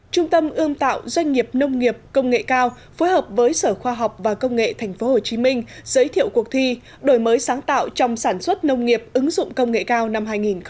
trung tâm ươm tạo doanh nghiệp nông nghiệp công nghệ cao phối hợp với sở khoa học và công nghệ tp hcm giới thiệu cuộc thi đổi mới sáng tạo trong sản xuất nông nghiệp ứng dụng công nghệ cao năm hai nghìn một mươi chín